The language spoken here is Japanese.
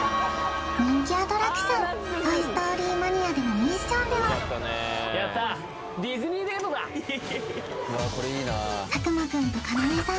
人気アトラクショントイ・ストーリー・マニア！でのミッションでは佐久間くんとかなでさん